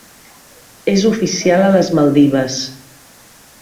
És oficial a les Maldives.